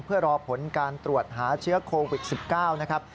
เพื่อรอผลการตรวจหาเชื้อโควิด๑๙นะครับ